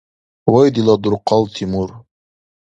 Вай дила дурхъал Тимур.